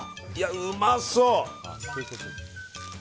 うまそう！